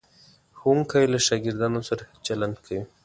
ښوونکی له شاګردانو سره ښه چلند کوي.